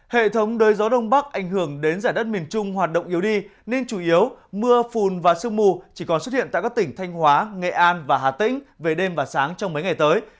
hệ thống đới gió đông bắc ảnh hưởng đến giải đất miền trung hoạt động yếu đi nên chủ yếu mưa phùn và sương mù chỉ còn xuất hiện tại các tỉnh thanh hóa nghệ an và hà tĩnh về đêm và sáng trong mấy ngày tới